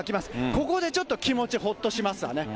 ここでちょっと気持ち、ほっとしますわね。